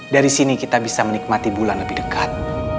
dari sini kita bisa menikmati bulan lebih dekat